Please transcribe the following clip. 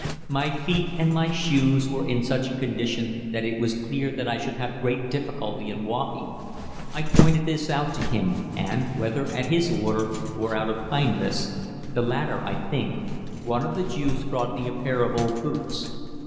My feet and my shoes were in such a condition that it was clear that I should have great difficulty in walking. I pointed this out to him and, whether at his order or out of kindness the latter, I think one of the Jews brought me a pair of old boots.